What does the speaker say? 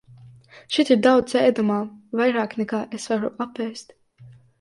Šeit ir daudz ēdamā, vairāk nekā es varu apēst.